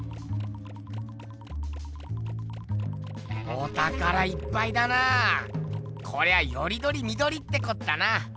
おたからいっぱいだな。こりゃよりどりみどりってこったな。